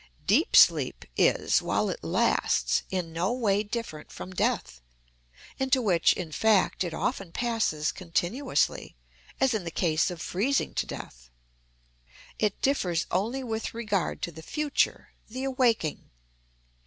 Deep sleep is, while it lasts, in no way different from death, into which, in fact, it often passes continuously, as in the case of freezing to death. It differs only with regard to the future, the awaking.